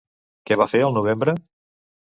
Què va fer al novembre?